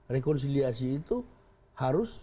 rekonciliasi itu harus